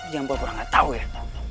jangan bapak orang gak tau ya